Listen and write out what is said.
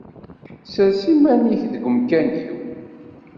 Sres iman-ik deg umkan-iw.